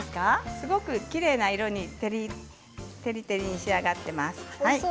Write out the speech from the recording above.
すごくきれいな色に照り照りに仕上がっています。